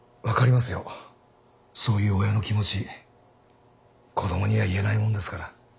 分かりますよそういう親の気持ち子供には言えないもんですから。